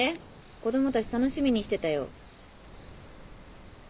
子供たち楽しみにしてたよ。